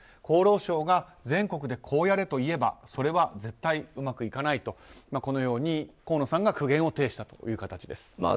厚労省が全国でこうやれと言えばそれは絶対うまくいかないと河野さんが苦言を呈した形です。